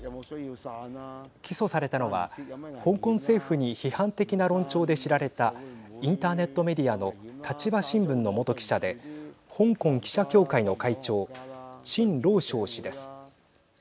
起訴されたのは香港政府に批判的な論調で知られたインターネットメディアの立場新聞の元記者で香港記者協会の会長陳朗昇氏です。